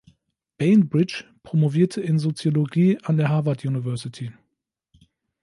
Bainbridge promovierte in Soziologie an der Harvard University.